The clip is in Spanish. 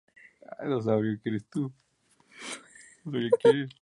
Obviamente, las interpretaciones regionales de "rod" dan resultados diferentes.